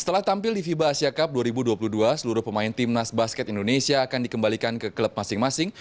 setelah tampil di fiba asia cup dua ribu dua puluh dua seluruh pemain timnas basket indonesia akan dikembalikan ke klub masing masing